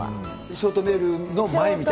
ショートメールの前みたいな。